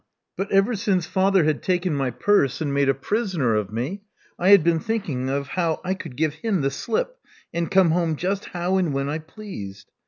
But ever since father had taken my purse and made a prisoner of me, I had been thinking of how I could give him the slip and come home just how and when I pleased.